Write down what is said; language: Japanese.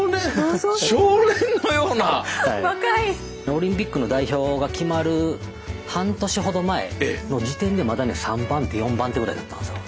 オリンピックの代表が決まる半年ほど前の時点でまだね３番手４番手ぐらいだったんですよ。